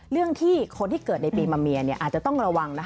เรื่องที่คนที่เกิดในปีมะเมียอาจจะต้องระวัง